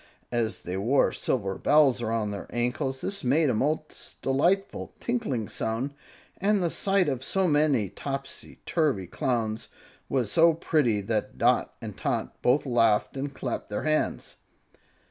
As they wore silver bells around their ankles, this made a most delightful, tinkling sound, and the sight of so many topsy turvy Clowns was so pretty that Dot and Tot both laughed and clapped their hands.